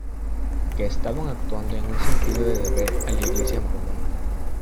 Que estaban actuando en un sentido de deber a la Iglesia Mormona.